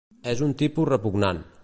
És un tipus repugnant.